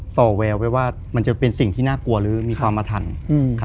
่อแววไปว่ามันจะเป็นสิ่งที่น่ากลัวหรือมีความอธรรม